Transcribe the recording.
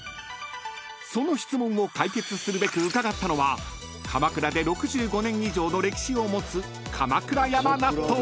［その質問を解決するべく伺ったのは鎌倉で６５年以上の歴史を持つ］